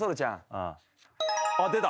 あっ出た。